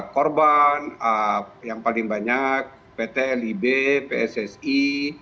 korban yang paling banyak pt lib pssi